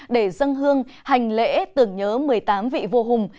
để dân hương hành lễ tưởng nhớ một mươi tám vị vô hùng